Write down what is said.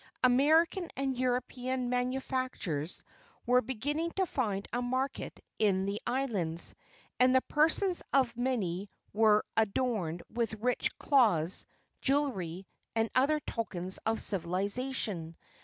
American and European manufactures were beginning to find a market in the islands, and the persons of many were adorned with rich cloths, jewelry and other tokens of civilization.